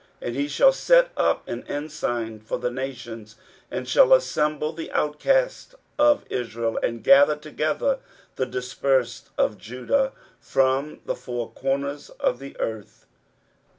23:011:012 And he shall set up an ensign for the nations, and shall assemble the outcasts of Israel, and gather together the dispersed of Judah from the four corners of the earth.